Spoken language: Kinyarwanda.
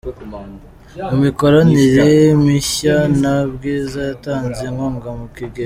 Mu mikoranire mishya na Bwiza yatanze inkunga mu kigega